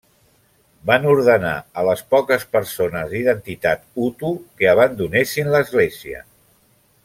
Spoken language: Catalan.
Van ordenar a les poques persones d'identitat hutu que abandonessin l'església.